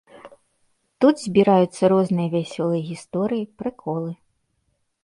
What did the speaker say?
Тут збіраюцца розныя вясёлыя гісторыі, прыколы.